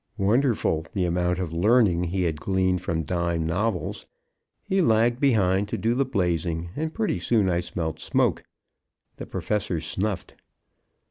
Wonderful! the amount of learning he had gleaned from dime novels. He lagged behind to do the blazing; and pretty soon I smelt smoke. The Professor snuffed.